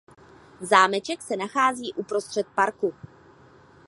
Zámeček se nachází uprostřed parku.